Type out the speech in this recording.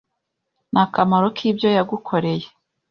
n’akamaro k’ibyo yagukoreye